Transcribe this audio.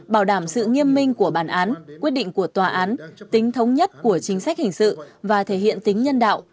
bảo đảm sự nghiêm minh của bản án quyết định của tòa án tính thống nhất của chính sách hình sự và thể hiện tính nhân đạo